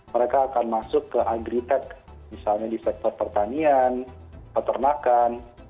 mereka akan masuk ke agritech misalnya di sektor pertanian peternakan